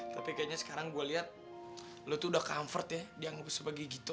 tapi kayaknya sekarang gue lihat lu tuh udah comfort ya dianggap sebagai gitu